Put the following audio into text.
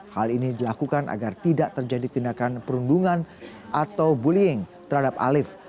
hal ini dilakukan agar tidak terjadi tindakan perundungan atau bullying terhadap alif